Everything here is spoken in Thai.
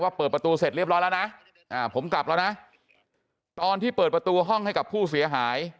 เปิดประตูเสร็จเรียบร้อยแล้วนะผมกลับแล้วนะตอนที่เปิดประตูห้องให้กับผู้เสียหาย